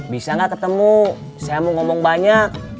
bisa nggak ketemu saya mau ngomong banyak